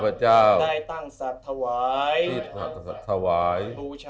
บูชาพรตนัตรัย